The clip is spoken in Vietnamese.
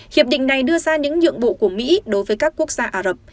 hiệp định này đưa ra những nhượng bộ của mỹ đối với các quốc gia ả rập